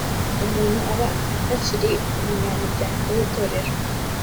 umuntu aba atakiri umunyamuryango w ‘itorero